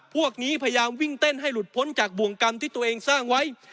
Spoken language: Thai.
พวกนี้พยายามวิ่งเต้นให้หลุดพ้นจากบ่วงกรรมที่ตัวเองสร้างไว้